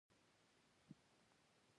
هغه زما مينه ده.